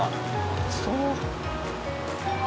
熱そう！